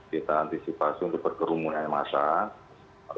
kita antisipasi untuk berkerumunan yang masalah